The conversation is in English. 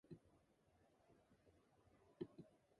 Crusoe then teaches him English and converts him to Christianity.